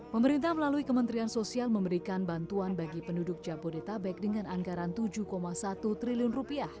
pemerintah melalui kementerian sosial memberikan bantuan bagi penduduk jabodetabek dengan anggaran rp tujuh satu triliun